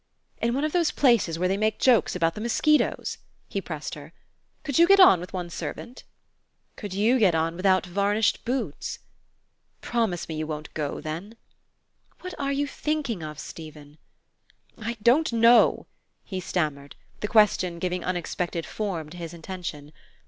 "In one of those places where they make jokes about the mosquitoes," he pressed her. "Could you get on with one servant?" "Could you get on without varnished boots?" "Promise me you won't go, then!" "What are you thinking of, Stephen?" "I don't know," he stammered, the question giving unexpected form to his intention.